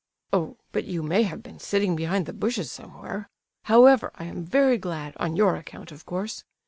"Oh! but you may have been sitting behind the bushes somewhere. However, I am very glad, on your account, of course.